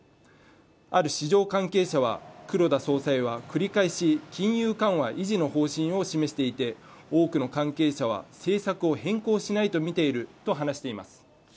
ある市場関係者は黒田総裁は繰り返し金融緩和維持の方針を示していて多くの関係者は政策を変更しないとみていると話しています